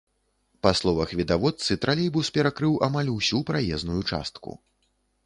Па словах відавочцы, тралейбус перакрыў амаль усю праезную частку.